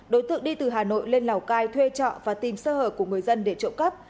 đối tượng đi từ hà nội lên lào cai thuê trọ và tìm sơ hở của người dân để trộm cắp